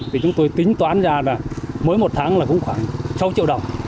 thì chúng tôi tính toán ra là mỗi một tháng là cũng khoảng sáu triệu đồng